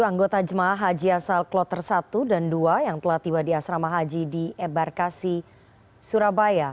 anggota jemaah haji asal kloter satu dan dua yang telah tiba di asrama haji di ebarkasi surabaya